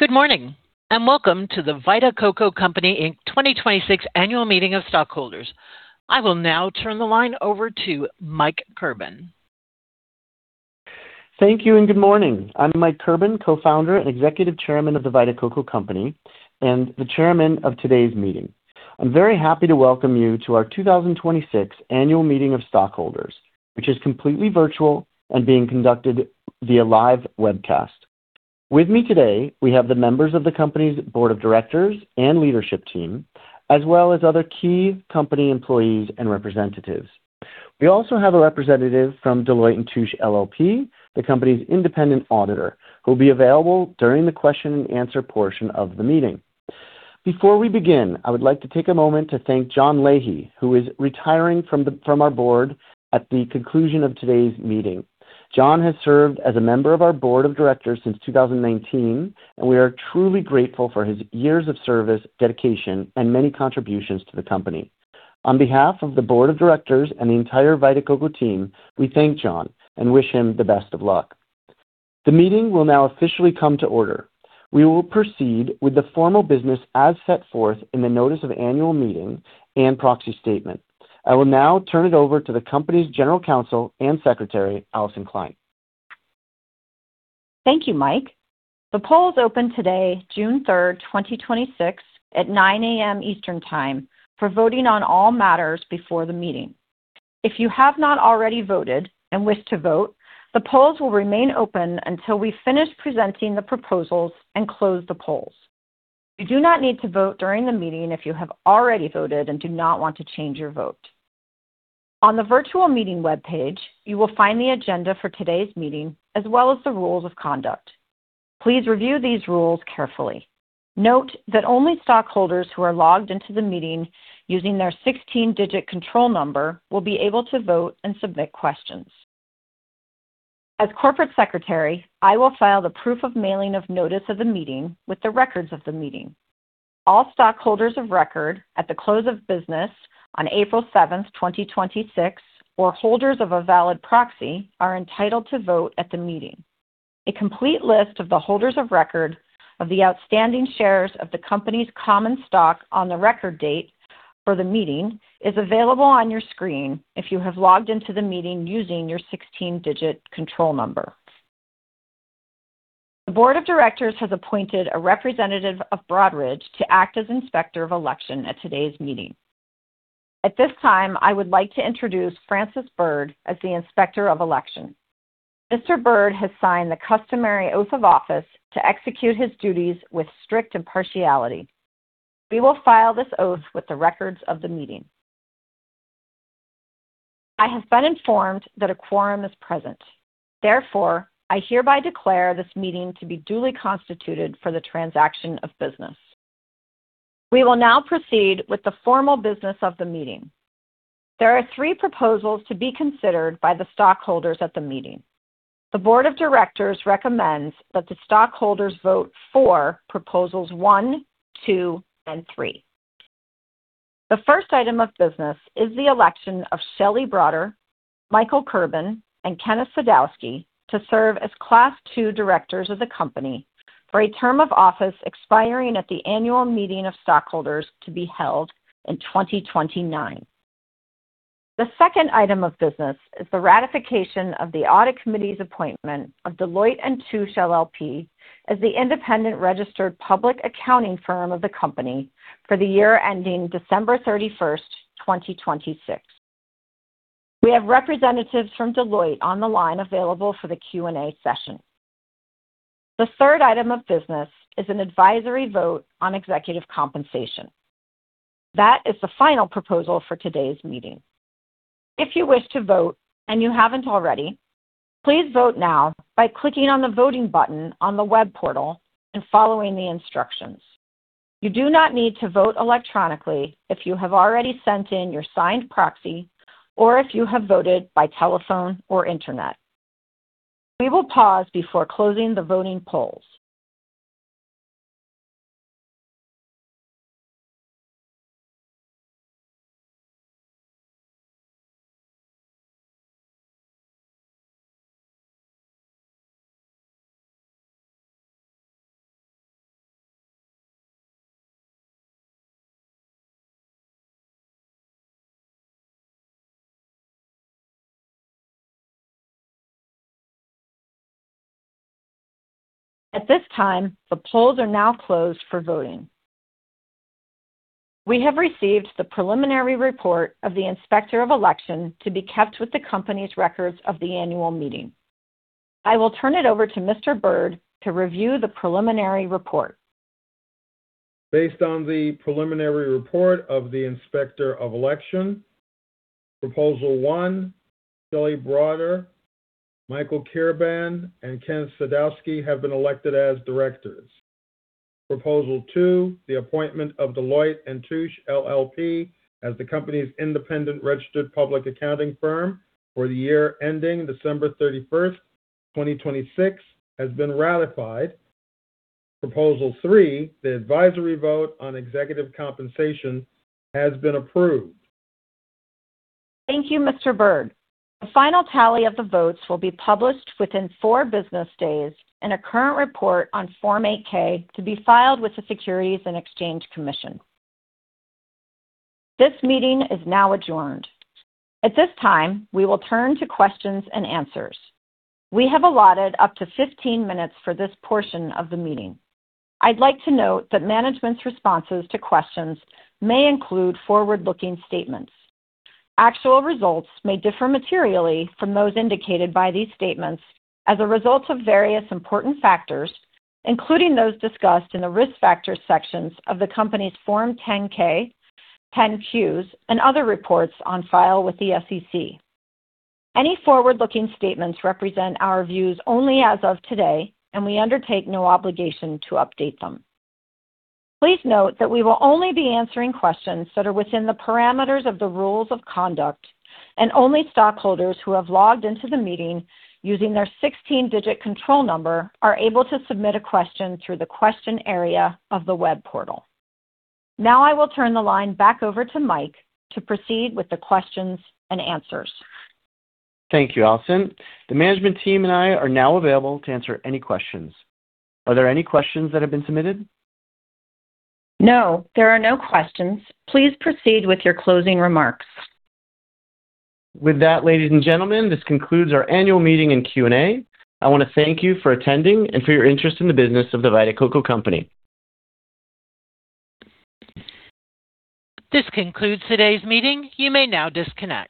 Good morning, and welcome to The Vita Coco Company, Inc 2026 Annual Meeting of Stockholders. I will now turn the line over to Mike Kirban. Thank you and good morning. I'm Mike Kirban, Co-Founder and Executive Chairman of The Vita Coco Company and the Chairman of today's meeting. I'm very happy to welcome you to our 2026 Annual Meeting of Stockholders, which is completely virtual and being conducted via live webcast. With me today, we have the members of the company's board of directors and leadership team, as well as other key company employees and representatives. We also have a representative from Deloitte & Touche LLP, the company's independent auditor, who will be available during the question and answer portion of the meeting. Before we begin, I would like to take a moment to thank John Leahy, who is retiring from our board at the conclusion of today's meeting. John has served as a Member of our Board of Directors since 2019, and we are truly grateful for his years of service, dedication, and many contributions to the company. On behalf of the board of directors and the entire Vita Coco team, we thank John and wish him the best of luck. The meeting will now officially come to order. We will proceed with the formal business as set forth in the notice of annual meeting and proxy statement. I will now turn it over to the company's General Counsel and Secretary, Alison Klein. Thank you, Mike. The polls opened today, June 3rd, 2026, at 9:00 A.M. Eastern Time for voting on all matters before the meeting. If you have not already voted and wish to vote, the polls will remain open until we finish presenting the proposals and close the polls. You do not need to vote during the meeting if you have already voted and do not want to change your vote. On the virtual meeting webpage, you will find the agenda for today's meeting, as well as the rules of conduct. Please review these rules carefully. Note that only stockholders who are logged into the meeting using their 16-digit control number will be able to vote and submit questions. As Corporate Secretary, I will file the proof of mailing of notice of the meeting with the records of the meeting. All stockholders of record at the close of business on April 7th, 2026, or holders of a valid proxy, are entitled to vote at the meeting. A complete list of the holders of record of the outstanding shares of the company's common stock on the record date for the meeting is available on your screen if you have logged into the meeting using your 16-digit control number. The board of directors has appointed a representative of Broadridge to act as Inspector of Election at today's meeting. At this time, I would like to introduce Francis Byrd as the Inspector of Election. Mr. Byrd has signed the customary oath of office to execute his duties with strict impartiality. We will file this oath with the records of the meeting. I have been informed that a quorum is present. Therefore, I hereby declare this meeting to be duly constituted for the transaction of business. We will now proceed with the formal business of the meeting. There are three proposals to be considered by the stockholders at the meeting. The board of directors recommends that the stockholders vote for Proposals 1, 2, and 3. The first item of business is the election of Shelley Broader, Michael Kirban, and Kenneth Sadowsky to serve as Class II Directors of the company for a term of office expiring at the annual meeting of stockholders to be held in 2029. The second item of business is the ratification of the audit committee's appointment of Deloitte & Touche LLP as the independent registered public accounting firm of the company for the year ending December 31st, 2026. We have representatives from Deloitte on the line available for the Q&A session. The third item of business is an advisory vote on executive compensation. That is the final proposal for today's meeting. If you wish to vote and you haven't already, please vote now by clicking on the voting button on the web portal and following the instructions. You do not need to vote electronically if you have already sent in your signed proxy or if you have voted by telephone or internet. We will pause before closing the voting polls. At this time, the polls are now closed for voting. We have received the preliminary report of the Inspector of Election to be kept with the company's records of the annual meeting. I will turn it over to Mr. Byrd to review the preliminary report. Based on the preliminary report of the Inspector of Election, Proposal 1, Shelley Broader, Michael Kirban, and Kenneth Sadowsky have been elected as Directors. Proposal 2, the appointment of Deloitte & Touche LLP as the company's independent registered public accounting firm for the year ending December 31st, 2026, has been ratified. Proposal 3, the advisory vote on executive compensation, has been approved. Thank you, Mr. Byrd. The final tally of the votes will be published within four business days in a current report on Form 8-K to be filed with the Securities and Exchange Commission. This meeting is now adjourned. At this time, we will turn to questions and answers. We have allotted up to 15 minutes for this portion of the meeting. I'd like to note that management's responses to questions may include forward-looking statements. Actual results may differ materially from those indicated by these statements as a result of various important factors, including those discussed in the Risk Factors sections of the Company's Form 10-K, 10-Qs, and other reports on file with the SEC. Any forward-looking statements represent our views only as of today, and we undertake no obligation to update them. Please note that we will only be answering questions that are within the parameters of the rules of conduct, and only stockholders who have logged into the meeting using their 16-digit control number are able to submit a question through the question area of the web portal. Now I will turn the line back over to Mike to proceed with the questions and answers. Thank you, Alison. The management team and I are now available to answer any questions. Are there any questions that have been submitted? No, there are no questions. Please proceed with your closing remarks. With that, ladies and gentlemen, this concludes our annual meeting and Q&A. I want to thank you for attending and for your interest in the business of The Vita Coco Company. This concludes today's meeting. You may now disconnect.